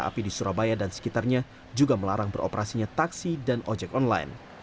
api di surabaya dan sekitarnya juga melarang beroperasinya taksi dan ojek online